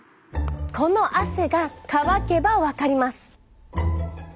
この汗が乾けばわかります！